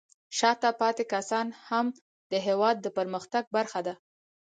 شاته پاتې کسان هم د هېواد د پرمختګ برخه دي.